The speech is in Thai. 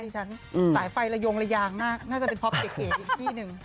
ฉันสายไฟไรงมากน่าจะเป็นเพราะเก๋อีกที่หนึ่ง